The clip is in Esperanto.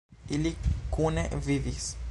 Ili kune vivis.